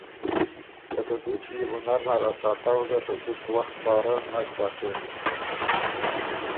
که ته دُوچی يې بو نر نر ا ساتؤ ګه ته زُت وخت پاره نک بۀ سِر۔